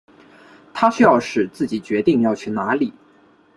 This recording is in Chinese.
他需要是自己决定要去哪里